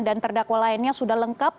dan terdakwa lainnya sudah lengkap